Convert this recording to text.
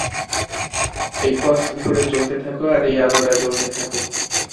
এই পথ ধরে চলতে থাকো, আর এই আলোরা জ্বলতে থাকো!